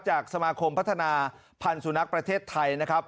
จากสมาคมพัฒนาพันธุ์สุนัขประเทศไทยนะครับ